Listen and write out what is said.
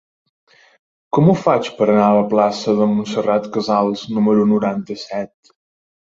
Com ho faig per anar a la plaça de Montserrat Casals número noranta-set?